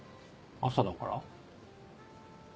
朝だから？